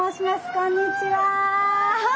こんにちは。